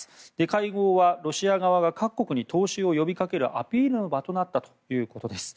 会合はロシア側が各国に投資を呼びかけるアピールの場になったということです。